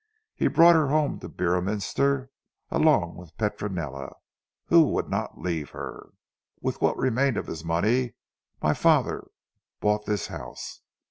He brought her home to Beorminster, along with Petronella, who would not leave her. With what remained of his money, my father bought this house.